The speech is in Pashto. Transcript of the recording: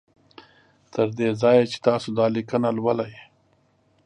تر دې ځایه چې تاسو دا لیکنه لولی